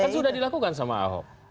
kan sudah dilakukan sama ahok